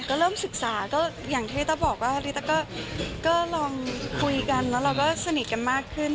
ก็เริ่มศึกษาก็อย่างที่ต้าบอกว่าริต้าก็ลองคุยกันแล้วเราก็สนิทกันมากขึ้น